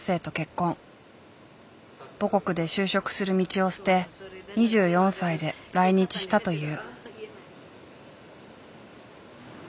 母国で就職する道を捨て２４歳で来日したという。